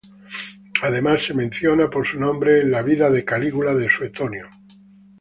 Además es mencionado por su nombre en la "Vida de Calígula" de Suetonio.